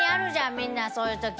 みんなそういうとき。